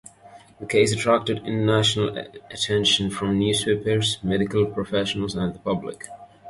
The case attracted international attention from newspapers, medical professionals and the public.